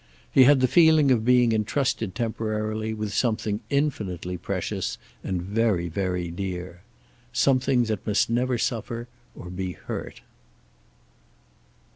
He had the feeling of being entrusted temporarily with something infinitely precious, and very, very dear. Something that must never suffer or be hurt.